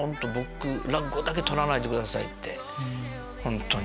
落語だけ取らないでくださいって本当に。